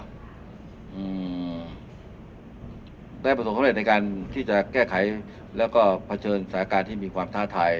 อืมได้ประสบความเร็จในการที่จะแก้ไขแล้วก็เผชิญสถานการณ์ที่มีความท้าทาย